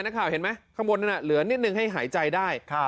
นักข่าวเห็นไหมข้างบนเนี่ยนะเหลือนิดหนึ่งให้หายใจได้ครับ